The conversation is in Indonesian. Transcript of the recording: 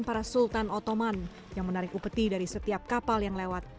para sultan ottoman yang menarik upeti dari setiap kapal yang lewat